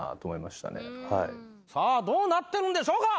さあどうなってるんでしょうか？